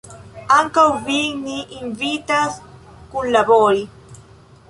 Ankaŭ vin ni invitas kunlabori!